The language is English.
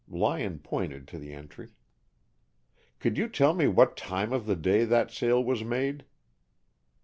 Lyon pointed to the entry. "Could you tell me what time of the day that sale was made?"